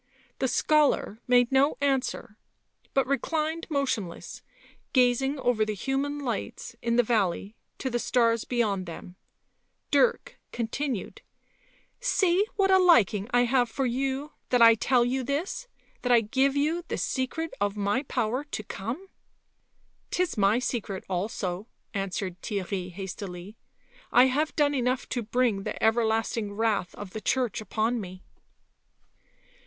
The scholar made no answer, but reclined motionless,' gazing over the human lights in the valley to the stars beyond them ; Dirk continued :" See what a liking I have for you that I tell you this — that I give you the secret of my power to come. .." 'Tis my secret also," answered Theirry hastily. " I have done enough to bring the everlasting wrath of the Church upon me."